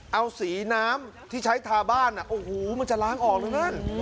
เอาสีน้ำที่ใช้ทาบ้านโอ้โหมันจะล้างออกแล้วนั่น